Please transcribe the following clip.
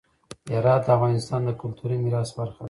هرات د افغانستان د کلتوري میراث برخه ده.